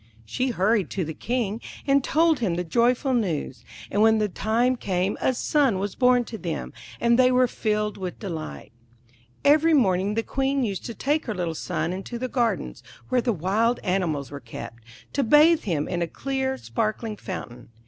She hurried to the King, and told him the joyful news; and when the time came a son was born to them, and they were filled with delight. Every morning the Queen used to take her little son into the gardens, where the wild animals were kept, to bathe him in a clear, sparkling fountain.